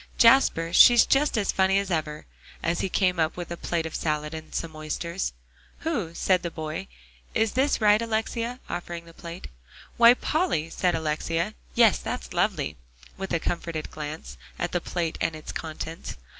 Jasper, she's just as funny as ever," as he came up with a plate of salad, and some oysters. "Who?" said the boy; "is this right, Alexia?" offering the plate. "Why, Polly," said Alexia; "yes, that's lovely," with a comforted glance at the plate and its contents.